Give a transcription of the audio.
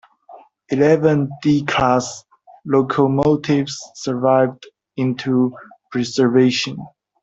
Eleven D class locomotives survived into preservation.